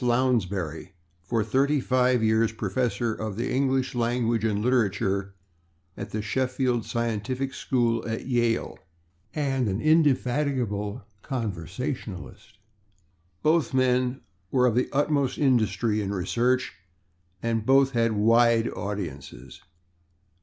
Lounsbury, for thirty five years professor of the English language and literature in the Sheffield Scientific School at Yale, and an indefatigable controversialist. Both men were of the utmost industry in research, and both had wide audiences.